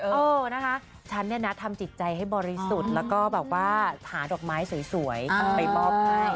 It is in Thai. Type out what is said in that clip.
เออนะคะฉันเนี่ยนะทำจิตใจให้บริสุทธิ์แล้วก็แบบว่าหาดอกไม้สวยไปมอบให้